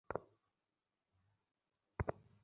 আমি জানতাম আরমান্ড কখনই নিজের জ্ঞানকে দমিয়ে রাখবে না।